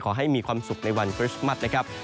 ขอให้มีความสุขในวันคริสต์มัสนะครับ